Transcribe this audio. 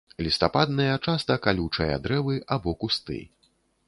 Лістападныя, часта калючыя, дрэвы або кусты.